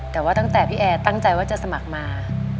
แต่ว่าตั้งแต่พี่แอร์ตั้งใจว่าจะสมัครมา